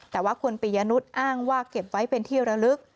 แต่ว่าคุณปียนุษย์อ้างว่าเก็บไว้เป็นที่ระลึก